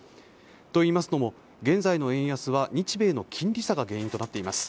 といいますのも現在の円安は日米の金利差が原因となっています。